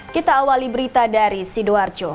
kita awali berita dari sidoarjo